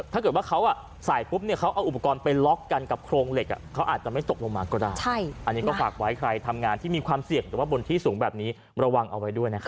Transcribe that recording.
ถ้าเกิดว่าเขาสายปุ๊บเอาอุปกรณ์ไปล็อกกันกับโครงเหล็ก